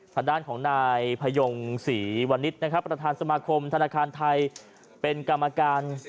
ผ่านด้านของนายพยงศรีวรรณิตประธานสมาคมธนาคารไทย